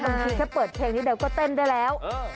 บางทีแค่เปิดเพลงนี้เดี๋ยวก็เต้นได้แล้ว